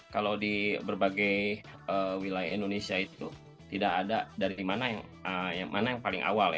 kalau di berbagai wilayah indonesia itu tidak ada dari mana yang paling awal ya